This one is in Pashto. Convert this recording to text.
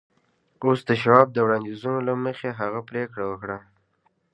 اوس د شواب د وړانديزونو له مخې هغه پرېکړه وکړه.